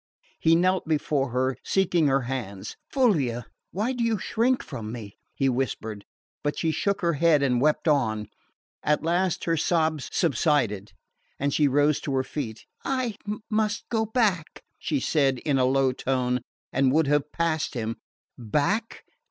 He knelt before her, seeking her hands. "Fulvia, why do you shrink from me?" he whispered. But she shook her head and wept on. At last her sobs subsided and she rose to her feet. "I must go back," said she in a low tone, and would have passed him. "Back?